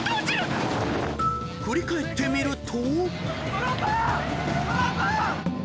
［振り返ってみると］